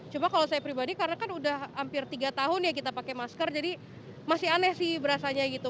cuma kalau saya pribadi karena kan udah hampir tiga tahun ya kita pakai masker jadi masih aneh sih berasanya gitu